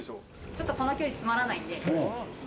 ちょっと、この距離つまらないんで。